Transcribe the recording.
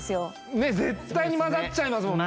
ねっ絶対に混ざっちゃいますもんね